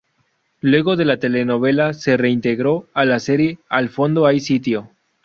Luego de la telenovela, se reintegró a la serie "Al fondo hay sitio".